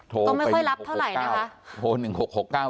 ก็ไม่ค่อยรับเท่าไหร่นะคะ